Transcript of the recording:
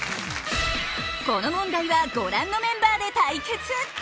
この問題はご覧のメンバーで対決！